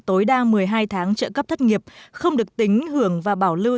tối đa một mươi hai tháng trợ cấp thất nghiệp không được tính hưởng và bảo lưu